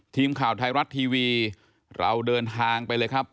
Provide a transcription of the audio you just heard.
ทีมข่าวไทยรัฐทีวีเราเดินทางไปเลยครับ